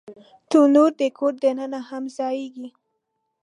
تنور د کور دننه هم ځایېږي